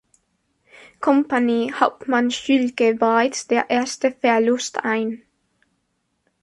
Kompanie, Hauptmann Schülke, bereits der erste Verlust ein.